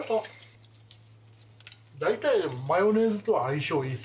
大体マヨネーズと相性いいっすよね。